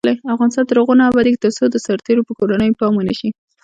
افغانستان تر هغو نه ابادیږي، ترڅو د سرتیرو پر کورنیو پام ونشي.